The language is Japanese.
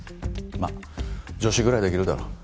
まあ助手ぐらいできるだろう。